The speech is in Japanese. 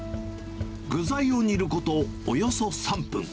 具材を煮ることおよそ３分。